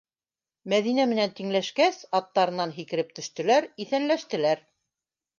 Мәҙинә менән тиңләшкәс, аттарынан һикереп төштөләр, иҫәнләштеләр.